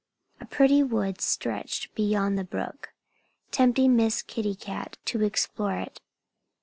A pretty wood stretched beyond the brook, tempting Miss Kitty Cat to explore it.